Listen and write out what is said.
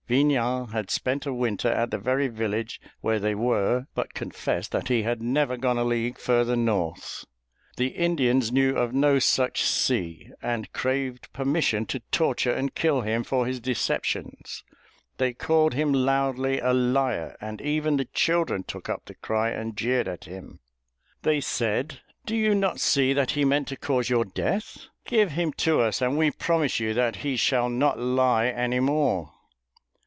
Vignan had spent a winter at the very village where they were, but confessed that he had never gone a league further north. The Indians knew of no such sea, and craved permission to torture and kill him for his deceptions; they called him loudly a liar, and even the children took up the cry and jeered at him. They said, "Do you not see that he meant to cause your death? Give him to us, and we promise you that he shall not lie any more."